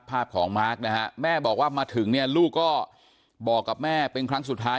ภาพของมาร์คนะฮะแม่บอกว่ามาถึงเนี่ยลูกก็บอกกับแม่เป็นครั้งสุดท้าย